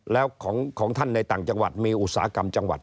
แล้วของท่านในต่างจังหวัดมีอุตสาหกรรมจังหวัด